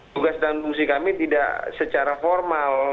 tugas dan fungsi kami tidak secara formal